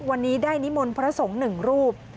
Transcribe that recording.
วันนี้ได้นิมนต์พระสงฆ์หนึ่งรูป